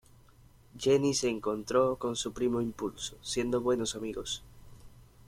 Jenni se encontró con su primo Impulso, siendo buenos amigos.